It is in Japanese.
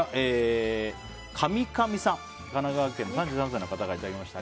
神奈川県、３３歳の方からいただきました。